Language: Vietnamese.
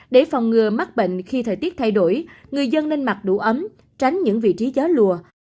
để phòng ngừa mắc bệnh khi thời tiết thay đổi người dân nên mặc đủ ấm tránh những vị trí chó lùa